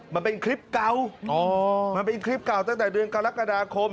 มันเป็นคลิปเก่ามันเป็นคลิปเก่าตั้งแต่เดือนกรกฎาคม